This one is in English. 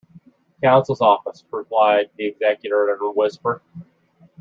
'Counsel’s Office,’ replied the executor in a whisper.